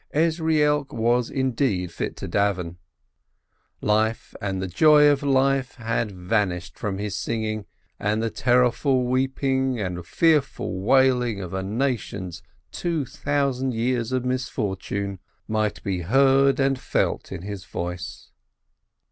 Ezrielk was indeed fit to davven: life and the joy of life had vanished from his singing, and the terrorful weeping, the fearful wailing of a nation's two thousand years of misfortune, might be heard and felt in his voice.